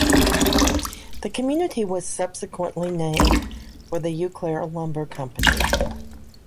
The community was subsequently named for the Eau Claire Lumber Company.